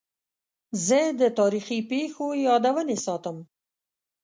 زه د تاریخي پیښو یادونې ساتم.